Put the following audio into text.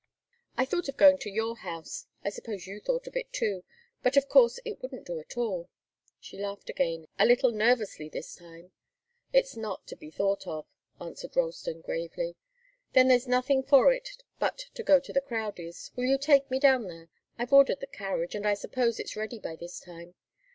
I thought of going to your house. I suppose you thought of it, too but, of course, it wouldn't do at all." She laughed again, a little nervously this time. "It's not to be thought of," answered Ralston, gravely. "Then there's nothing for it but to go to the Crowdies'. Will you take me down there? I've ordered the carriage, and I suppose it's ready by this time.